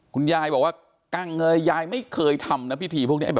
คุณยายบอกว่ากั้งเงยยายไม่เคยทำนะพิธีพวกนี้